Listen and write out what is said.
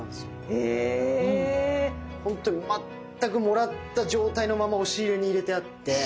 ほんとに全くもらった状態のまま押し入れに入れてあって。